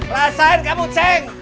rasain kamu ceng